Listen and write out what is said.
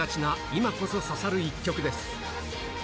今こそ刺さる１曲です。